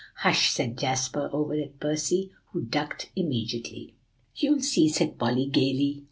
"Hush!" said Jasper, over at Percy, who ducked immediately. "You'll see," said Polly gayly.